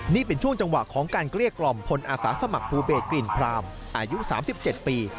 นี่เป็นช่วงจังหวะของการเกลี้ยกลอมพลอาสาสมัครภูเบศกรีนพราหมณ์อายุสามสิบเจ็ดปี